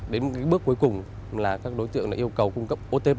đến bước cuối cùng là các đối tượng yêu cầu cung cấp otp